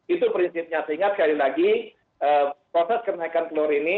itu prinsipnya sehingga sekali lagi proses kenaikan telur ini